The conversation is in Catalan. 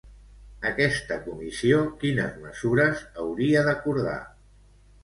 Aquesta comissió quines mesures hauria d'acordar?